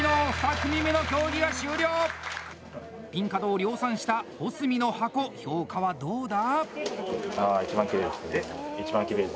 ピン角を量産した保住の箱評価はどうだ！？